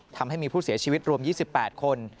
ทำให้มีผู้เสียชีวิตรวม๒๘คน